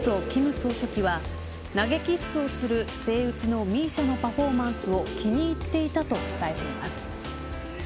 ロシアメディアによると金総書記は投げキッスをするセイウチのミーシャのパフォーマンスを気に入っていたと伝えています。